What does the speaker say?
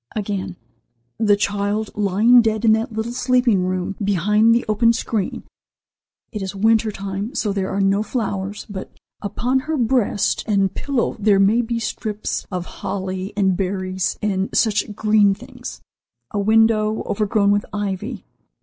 Again: "The child lying dead in the little sleeping room, behind the open screen. It is winter time, so there are no flowers, but upon her breast and pillow there may be strips of holly and berries and such green things. A window, overgrown with ivy.